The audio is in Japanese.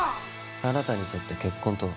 あなたにとって結婚とは？